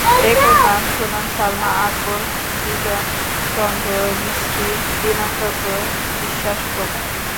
একক গান শোনান সালমা আকবর, বিজন চন্দ্র মিস্ত্রী, বিমান চন্দ্র বিশ্বাস প্রমুখ।